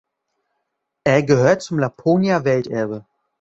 Er gehört zum Laponia-Welterbe.